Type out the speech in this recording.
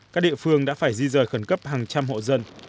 các địa phương đã phải di rời khẩn cấp hàng trăm hộ dân